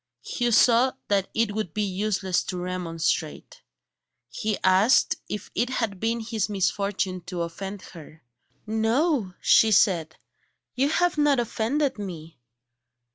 Hugh saw that it would be useless to remonstrate. He asked if it had been his misfortune to offend her. "No," she said, "you have not offended me."